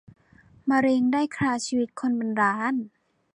มะเร็งได้คร่าชีวิตคนเป็นล้าน